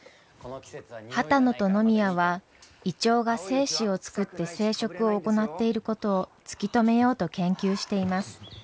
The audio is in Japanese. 波多野と野宮はイチョウが精子を作って生殖を行っていることを突き止めようと研究しています。